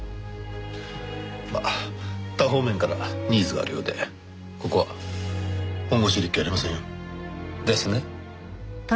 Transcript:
まあ多方面からニーズがあるようでここは本腰入れるっきゃありませんよ。ですね。